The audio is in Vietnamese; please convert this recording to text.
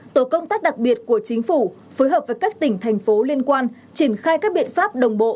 tổ công tác đặc biệt của chính phủ phối hợp với các tỉnh thành phố liên quan triển khai các biện pháp đồng bộ